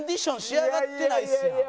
仕上がってないですやん。